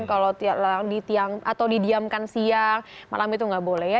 kalau didiamkan siang malam itu nggak boleh ya